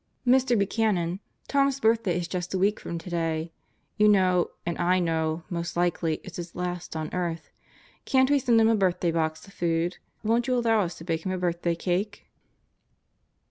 ... "Mr. Buchanan, Tom's birthday is just a week from today. You know, and I know, most likely it's his last on earth. Can't we send him a birthday box of food? Won't you allow us to bake him a birthday cake?"